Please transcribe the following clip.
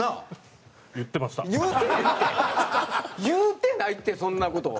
言うてないってそんな事。